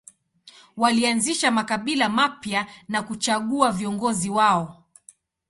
Walianzisha makabila mapya na kuchagua viongozi wao.